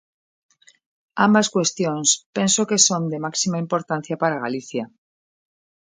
Ambas cuestións penso que son de máxima importancia para Galicia.